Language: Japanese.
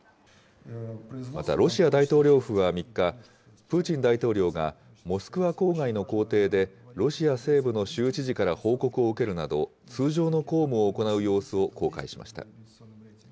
また、ロシア大統領府は３日、プーチン大統領がモスクワ郊外の公邸で、ロシア西部の州知事から報告を受けるなど、通常の公務を行う様子を公開しました。